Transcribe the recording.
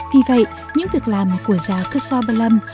vì vậy những việc làm của già kusaw palam